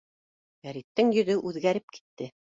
Фәриттең йөҙө үҙгәреп китте.